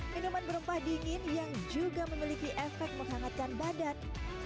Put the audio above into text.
minuman berempah dingin yang juga memiliki efek menghangatkan badan